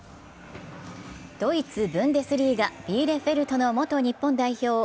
ドイツ・ブンデスリーガ、ビーレフェルトの元日本代表